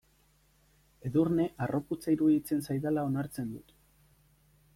Edurne harroputza iruditzen zaidala onartzen dut.